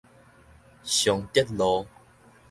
松德路